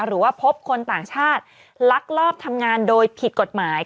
หรือว่าพบคนต่างชาติลักลอบทำงานโดยผิดกฎหมาย